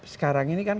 sekarang ini kan